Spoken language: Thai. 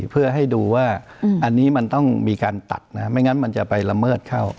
เพื่อให้ดูว่าอันนี้มันต้องมีการตัดนะไม่งั้นมันจะไปละเมิดเข้า